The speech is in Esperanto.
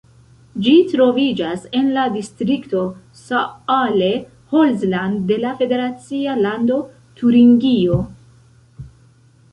Ĝi troviĝas en la distrikto Saale-Holzland de la federacia lando Turingio.